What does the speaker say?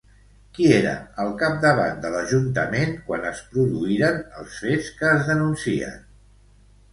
Qui era al capdavant de l'ajuntament quan es produïren els fets que es denuncien?